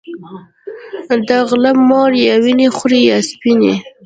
د غله مور يا وينې خورې يا سپينې